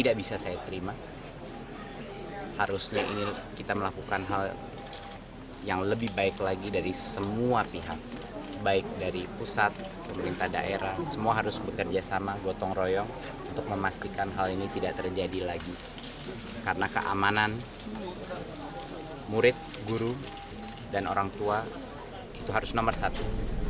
karena keamanan murid guru dan orang tua itu harus nomor satu